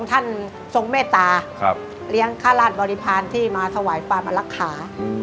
ครับเลี้ยงฆาตบริภารที่มาธวายปาลมะลักขามม